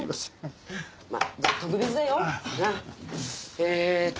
えーっと。